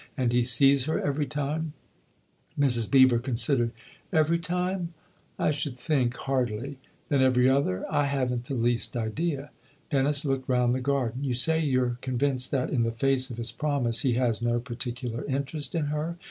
" And he sees her every time ?" Mrs. Beever considered. " Every time ? I should think hardly." " Then every other ?"" I haven't the least idea." Dennis looked round the garden. " You say you're convinced that, in the face of his promise, he has no particular interest in her.